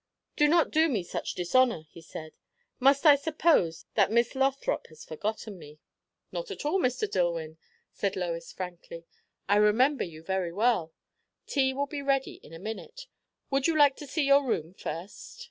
"Do not do me such dishonour," he said. "Must I suppose that Miss Lothrop has forgotten me?" "Not at all, Mr. Dillwyn," said Lois frankly; "I remember you very well. Tea will be ready in a minute would you like to see your room first?"